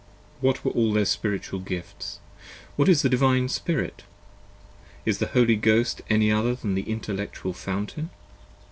What were all their spiritual gifts? What is the Divine Spirit? is the Holy Ghost any other than an Intellectual Fountain?